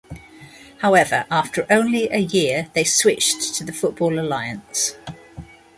However, after only a year they switched to the Football Alliance.